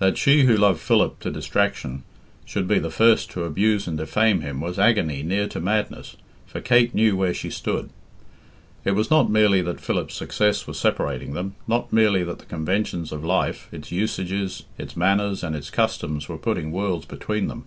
That she who loved Philip to distraction should be the first to abuse and defame him was agony near to madness, for Kate knew where she stood. It was not merely that Philip's success was separating them, not merely that the conventions of life, its usages, its manners, and its customs were putting worlds between them.